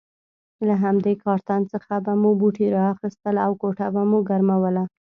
له همدې کارتن څخه به مو بوټي را اخیستل او کوټه به مو ګرموله.